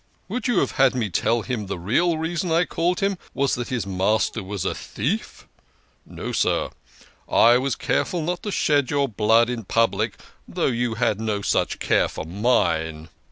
Would you have had me tell him the real reason I called him was that his master was a thief? No, sir, I was careful not to shed your blood in public, though you had no such care for mine."